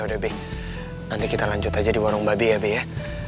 ya udah be nanti kita lanjut aja di warung babi ya be ya